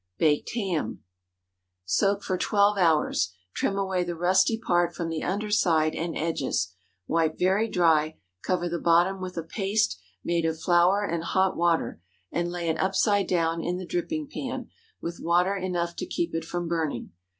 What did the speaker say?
BAKED HAM. Soak for twelve hours. Trim away the rusty part from the under side and edges, wipe very dry, cover the bottom with a paste made of flour and hot water, and lay it upside down in the dripping pan, with water enough to keep it from burning.